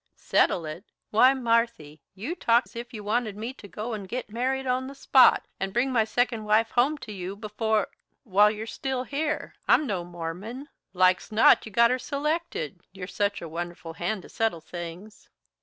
"Settle it! Why, Marthy, you talk 's if you wanted me to go 'n' git married on the spot and bring my second wife home to you before while you're still here. I'm no Mormon. Like's not you've got her selected; you're such a wonderful hand to settle things."